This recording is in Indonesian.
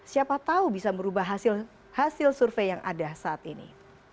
siapa tahu bisa merubah hasil survei yang ada saat ini